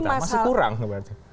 masih kurang itu berarti